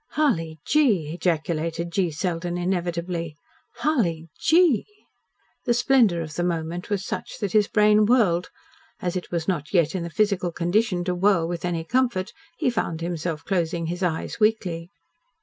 "Hully gee!" ejaculated G. Selden inevitably. "Hully GEE!" The splendour of the moment was such that his brain whirled. As it was not yet in the physical condition to whirl with any comfort, he found himself closing his eyes weakly.